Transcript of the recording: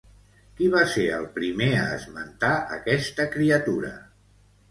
Qui va ser el primer a esmentar aquesta criatura?